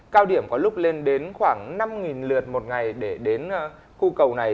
cao điểm có lúc lên đến khoảng năm lượt một ngày để đến khu cầu này